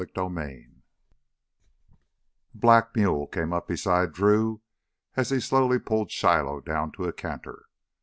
5 A black mule came up beside Drew as he slowly pulled Shiloh down to a canter.